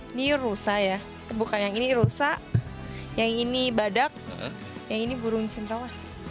ini rusa ya bukan yang ini rusa yang ini badak yang ini burung cendrawas